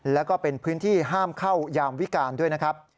แล้วก็เป็นพื้นที่ห้ามเข้ายามวิการด้วยนะครับ